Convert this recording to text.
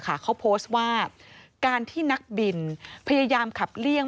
เขาโพสต์ว่าการที่นักบินพยายามขับเลี่ยง